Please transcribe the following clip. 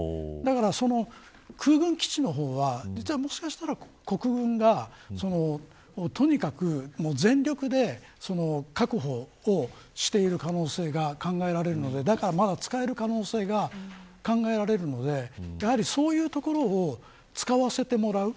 その空軍基地の方はもしかしたら国軍がとにかく全力で確保をしている可能性が考えられるのでだから、まだ使える可能性が考えられるのでそういう所を使わせてもらう。